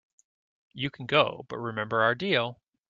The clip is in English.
You can go, but remember our deal.